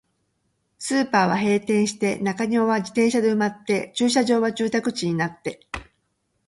スーパーは閉店して、中庭は自転車で埋まって、駐車場は住宅地になって、